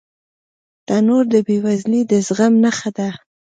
تنور د بې وزلۍ د زغم نښه ده